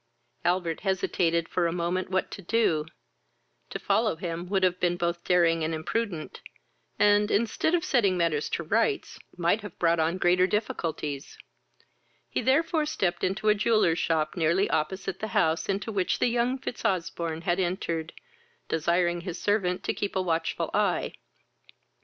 Albert hesitated for a moment what to do: to follow him would have been both daring and imprudent, and, instead of setting matters to rights, might have brought on greater difficulties; he therefore stepped into a jeweller's shop nearly opposite the house into which the young Fitzosbourne had entered, desiring his servant to keep a watchful eye.